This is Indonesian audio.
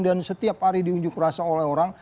setiap hari diunjuk rasa oleh orang